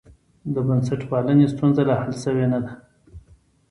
د بنسټپالنې ستونزه لا حل شوې نه ده.